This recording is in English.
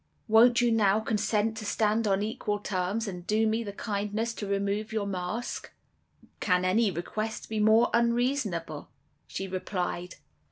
Won't you, now, consent to stand on equal terms, and do me the kindness to remove your mask?' "'Can any request be more unreasonable?' she replied.